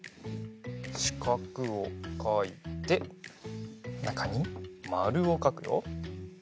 しかくをかいてなかにまるをかくよ。